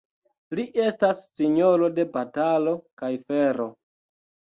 Li estas sinjoro de batalo kaj fero.